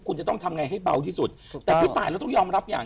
คุณจะต้องทำไงให้เบาที่สุดถูกแต่พี่ตายเราต้องยอมรับอย่าง